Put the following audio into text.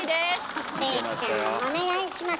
礼ちゃんお願いします。